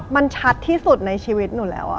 มันชัดที่สุดในชีวิตหนูแล้ว